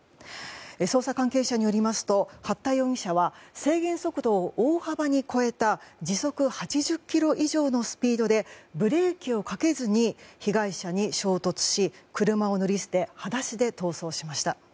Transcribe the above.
捜査関係者によりますと八田容疑者は制限速度を大幅に超えた時速８０キロ以上のスピードでブレーキをかけずに被害者に衝突し車を乗り捨て裸足で逃走しました。